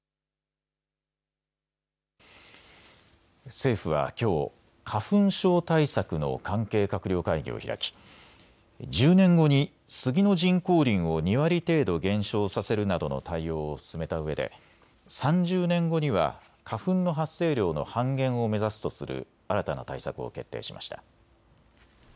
政府はきょう花粉症対策の関係閣僚会議を開き１０年後にスギの人工林を２割程度減少させるなどの対応を進めたうえで３０年後には花粉の発生量の半減を目指すとする新たな対策を決定しました。